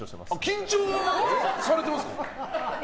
緊張されてますか？